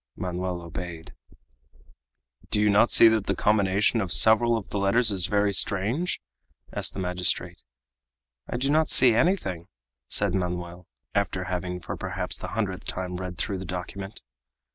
Manoel obeyed. "Do you not see that the combination of several of the letters is very strange?" asked the magistrate. "I do not see anything," said Manoel, after having for perhaps the hundredth time read through the document.